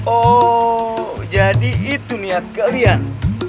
oh jadi itu nih ya kalian